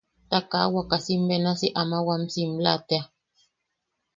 Ta kaa wakasim benasi ama wam simla tea.